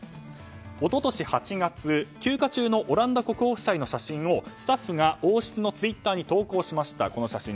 一昨年８月、休暇中のオランダ国王夫妻の写真をスタッフが王室のツイッターに投稿しました。